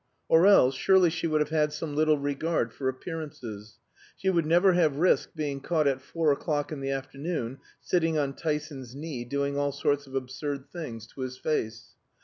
or else, surely she would have had some little regard for appearances; she would never have risked being caught at four o'clock in the afternoon sitting on Tyson's knee, doing all sorts of absurd things to his face.